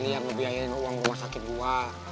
lu yang ngebiayain uang rumah sakit gue